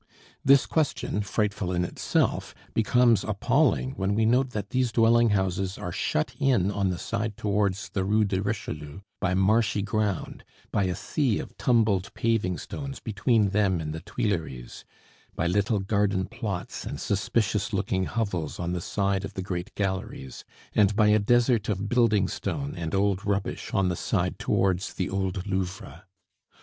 This question, frightful in itself, becomes appalling when we note that these dwelling houses are shut in on the side towards the Rue de Richelieu by marshy ground, by a sea of tumbled paving stones between them and the Tuileries, by little garden plots and suspicious looking hovels on the side of the great galleries, and by a desert of building stone and old rubbish on the side towards the old Louvre.